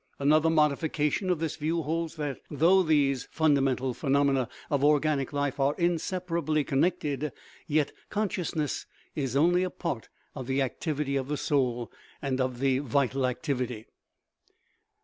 Another modification of this view holds that, though these fundamental phenomena of organic life are inseparably connected, yet conscious ness is only a part of the activity of the soul, and of the vital activity.